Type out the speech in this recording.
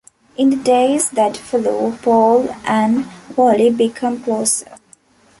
In the days that follow, Paul and Holly become closer.